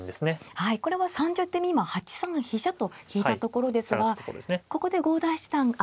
はいこれは３０手目今８三飛車と引いたところですがここで郷田九段が仕掛けていったんですよね。